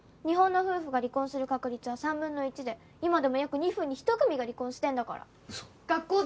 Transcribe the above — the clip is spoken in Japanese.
日本の夫婦が離婚する確率は３分の１で今でも約２分に１組が離婚してんだから。